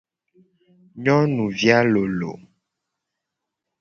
Nyonuvi a lolo.